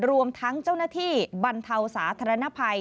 รวมทั้งเจ้าหน้าที่บรรเทาสาธารณภัย